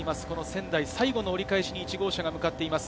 仙台最後の折り返しに１号車が向かっています。